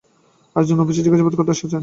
আরেকজন অফিসার জিজ্ঞাসাবাদ করতে আসছেন।